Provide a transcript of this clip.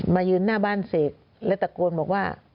มายืนหน้าบ้านเสร็จแล้วตะโกนบอกว่า